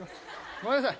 ごめんなさい。